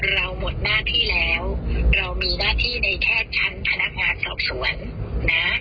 เราหมดหน้าที่แล้วเรามีหน้าที่ในแพทย์ชั้นพนักงานสอบสวนนะ